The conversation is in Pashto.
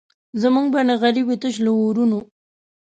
زموږ به نغري وي تش له اورونو